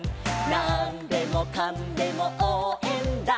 「なんでもかんでもおうえんだ！！」